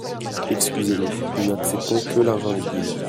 Excusez-nous, nous n'acceptons que l'argent liquide.